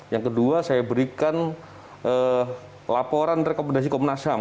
yang kedua saya berikan laporan rekomendasi komnas ham